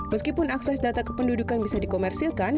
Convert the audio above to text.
meskipun akses data ke pendudukan bisa dikomersilkan